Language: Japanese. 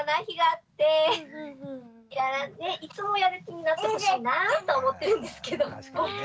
いつもやる気になってほしいなと思ってるんですけど。